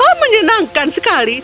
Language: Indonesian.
oh menyenangkan sekali